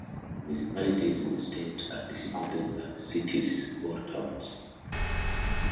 Municipalities in the state are designated as "cities" or "towns".